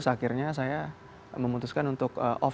akhirnya saya memutuskan untuk off